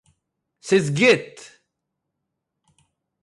ס'איז גוט!